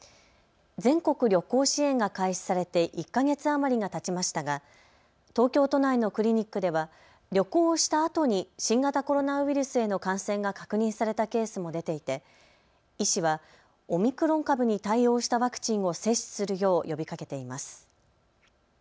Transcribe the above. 全国旅行支援が開始されて１か月余りがたちましたが東京都内のクリニックでは旅行をしたあとに新型コロナウイルスへの感染が確認されたケースも出ていて医師はオミクロン株に対応したワクチンを接種するよう呼びかけています。